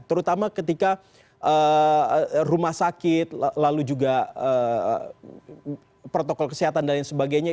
terutama ketika rumah sakit lalu juga protokol kesehatan dan lain sebagainya